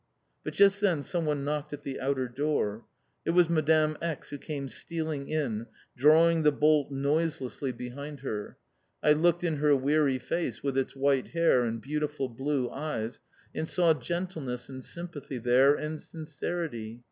But just then someone knocked at the outer door. It was Madame X. who came stealing in, drawing the bolt noiselessly behind her. I looked in her weary face, with its white hair, and beautiful blue eyes, and saw gentleness and sympathy there, and sincerity.